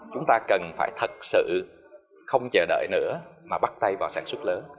chúng ta cần phải thật sự không chờ đợi nữa mà bắt tay vào sản xuất lớn